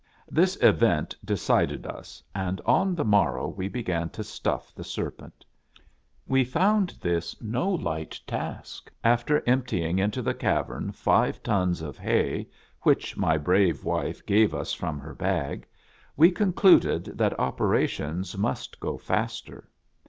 This event decided us, and on the morrow we be gan to stuff the serpent. We found this no light task. After emptying into the cavern five tons of hay, which my brave wife gave us from her bag, we con cluded that operations must go faster.